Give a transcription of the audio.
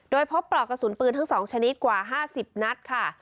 โดยพบปลอกกระสุนปืนทั้ง๒ชนิดกว่า๕๐นัดค่ะ